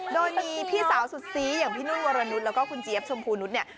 โดยมีพี่สาวสุดซีอย่างพี่นุ่นวรนุษย์แล้วก็คุณเจี๊ยบชมพูนุษย์เนี่ย